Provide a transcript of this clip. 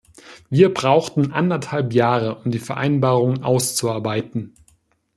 Wir brauchten anderthalb Jahre, um die Vereinbarung auszuarbeiten.